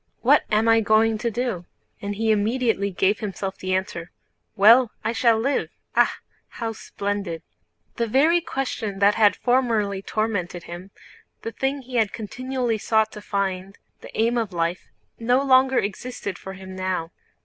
What am I going to do?" And he immediately gave himself the answer: "Well, I shall live. Ah, how splendid!" The very question that had formerly tormented him, the thing he had continually sought to find—the aim of life—no longer existed for him now.